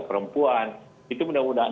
perempuan itu mudah mudahan